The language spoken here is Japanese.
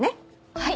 はい！